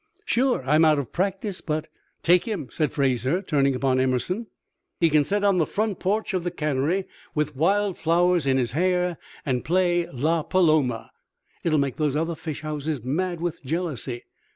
"Sure; I'm out of practice, but " "Take him!" said Fraser, turning upon Emerson. "He can set on the front porch of the cannery with wild flowers in his hair and play La Paloma. It will make those other fish houses mad with jealousy.